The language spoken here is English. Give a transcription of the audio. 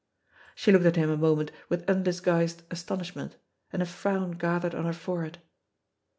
She looked at him a moment with undisguised astonishment, and a frown gathered on her forehead.